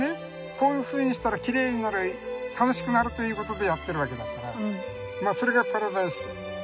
こういうふうにしたらきれいになる楽しくなるということでやってるわけだからそれがパラダイスなのかな。